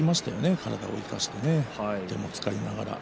体を生かして手も使いながら。